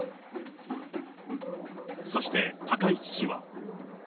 そして、高市氏は。